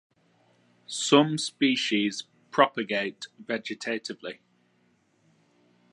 Some species propagate vegetatively.